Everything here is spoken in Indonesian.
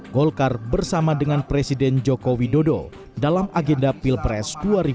golkar bersama dengan presiden jokowi dodo dalam agenda pilpres dua ribu dua puluh empat